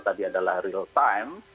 tadi adalah real time